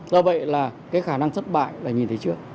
do vậy là cái khả năng thất bại là nhìn thấy trước